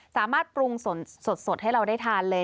สามารถปรุงสดให้เราได้ทานเลย